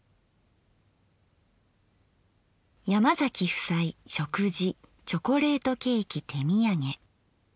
「山崎夫妻食事チョコレートケーキ手土産」。